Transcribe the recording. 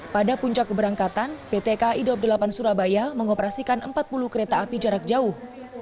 pada puncak keberangkatan pt kai dua puluh delapan surabaya mengoperasikan empat puluh kereta api jarak jauh